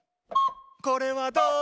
これはどう？